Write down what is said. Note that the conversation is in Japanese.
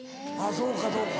そうかそうか。